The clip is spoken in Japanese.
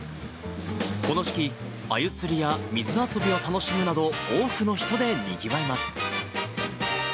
この時期、あゆ釣りや水遊びを楽しむなど、多くの人でにぎわいます。